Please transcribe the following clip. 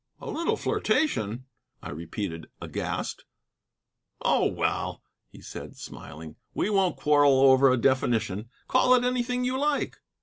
"A little flirtation!" I repeated, aghast. "Oh, well," he said, smiling, "we won't quarrel over a definition. Call it anything you like."